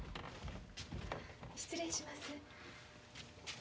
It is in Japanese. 失礼します。